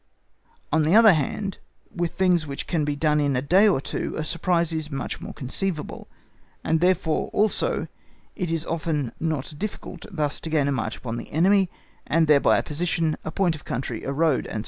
On the other hand, with things which can be done in a day or two, a surprise is much more conceivable, and, therefore, also it is often not difficult thus to gain a march upon the enemy, and thereby a position, a point of country, a road, &c.